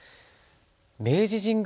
明治神宮